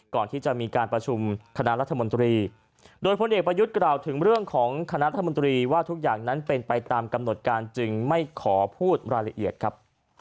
ก่อนที่จะมีการประชุมคณะรัฐมนตรีโดยพลเอกประยุทธ์กล่าวถึงเรื่องของคณะรัฐมนตรีว่าทุกอย่างนั้นเป็นไปตามกำหนดการจึงไม่ขอพูดรายละเอียดครับ